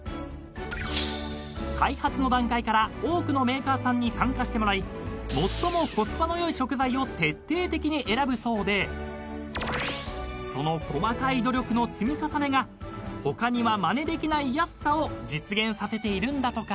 ［開発の段階から多くのメーカーさんに参加してもらい最もコスパの良い食材を徹底的に選ぶそうでその細かい努力の積み重ねが他にはまねできない安さを実現させているんだとか］